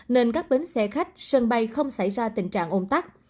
nên các bến xe khách sân bay không xảy ra tình trạng ôn tắc